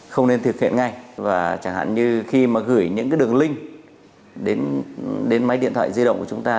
không nên thực hiện ngay và chẳng hạn như khi mà gửi những cái đường link đến máy điện thoại di động của chúng ta